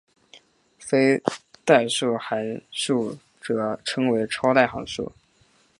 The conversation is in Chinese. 非代数函数则称为超越函数。